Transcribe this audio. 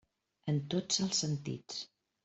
En tots els sentits.